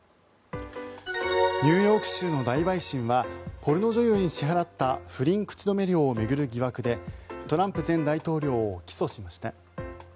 ニューヨーク州の大陪審はポルノ女優に支払った不倫口止め料を巡る疑惑でトランプ前大統領を起訴しました。